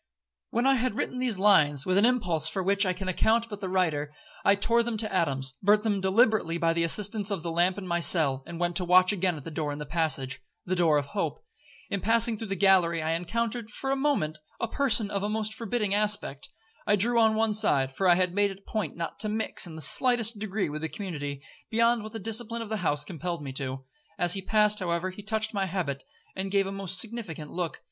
'When I had written these lines, with an impulse for which all can account but the writer, I tore them to atoms, burnt them deliberately by the assistance of the lamp in my cell, and went to watch again at the door in the passage—the door of hope. In passing through the gallery, I encountered, for a moment, a person of a most forbidding aspect. I drew on one side—for I had made it a point not to mix, in the slightest degree, with the community, beyond what the discipline of the house compelled me to. As he passed, however, he touched my habit, and gave a most significant look.